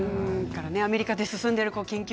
アメリカで進んでいる研究